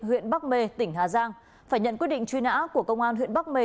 huyện bắc mê tỉnh hà giang phải nhận quyết định truy nã của công an huyện bắc mê